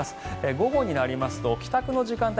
午後になりますと帰宅の時間帯